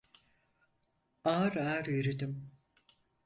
Ağır ağır yürüdüm.